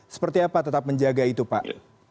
seperti apa tetap menjaga itu pak